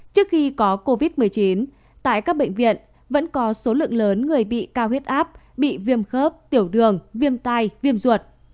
trước khi có covid một mươi chín tại các bệnh viện vẫn có số lượng lớn người bị cao huyết áp bị viêm khớp tiểu đường viêm tai viêm ruột